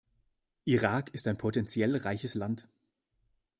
Irak ist ein potenziell reiches Land.